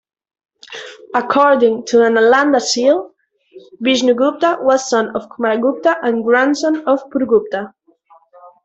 According to a Nalanda seal, Vishnugupta was son of Kumaragupta, and grandson of Purugupta.